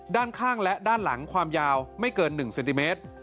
ด้านข้างและด้านหลังความยาวไม่เกิน๑เซนติเมตร